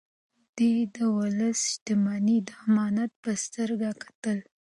ده د ولس شتمني د امانت په سترګه کتل.